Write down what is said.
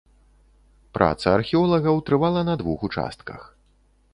Праца археолагаў трывала на двух участках.